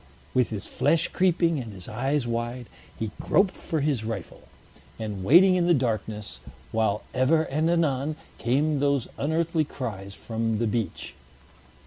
With his flesh creeping, and his eyes wide, he groped for his rifle, and waited in the darkness, while ever and anon came those unearthly cries from the beach.